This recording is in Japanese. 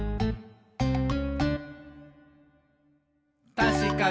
「たしかに！」